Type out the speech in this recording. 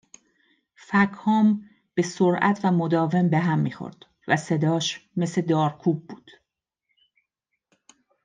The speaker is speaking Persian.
فَکهام به سرعت و مداوم به هم میخورد و صداش، مثل دارکوب بود